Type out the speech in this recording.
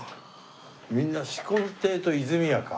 みんな紫紺亭と和泉家か。